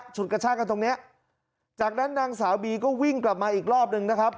ฉุดกระชากกันตรงเนี้ยจากนั้นนางสาวบีก็วิ่งกลับมาอีกรอบนึงนะครับ